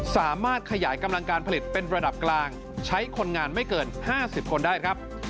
สามารถขยายกำลังการผลิตเป็นระดับกลางใช้คนงานไม่เกิน๕๐คนได้ครับ